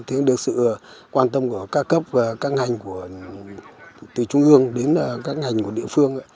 thì được sự quan tâm của ca cấp và các ngành từ trung ương đến các ngành của địa phương